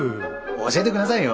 教えてくださいよ。